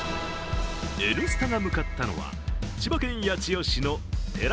「Ｎスタ」が向かったのは千葉県八千代市のてら